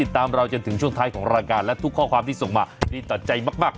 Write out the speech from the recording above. ตามเราจนถึงช่วงท้ายของรายการและทุกข้อความที่ส่งมาดีต่อใจมาก